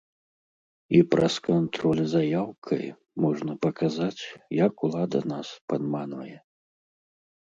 І праз кантроль за яўкай можна паказаць, як улада нас падманвае.